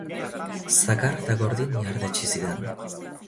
Zakar eta gordin ihardetsi zidan.